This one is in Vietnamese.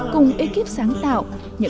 cùng ekip sáng tạo